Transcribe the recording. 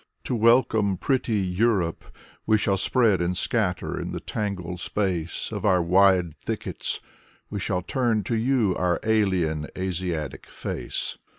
To welcome pretty Europe, we shall spread And scatter in the tangled space Of our wide thickets. We shall turn To you our alien Asiatic face.